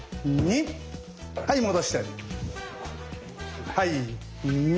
はい戻して。